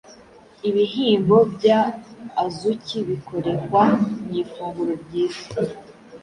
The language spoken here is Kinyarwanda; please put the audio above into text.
ibihyimbo bya azuki bikorehwa mu ifunguro ryiza,